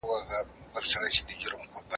دین زموږ د ژوند د سمون لپاره قانون دی.